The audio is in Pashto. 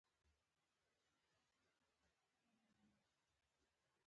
د ښځو د حقونو راځي.